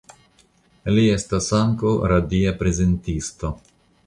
Li estas ankaŭ radia prezentisto.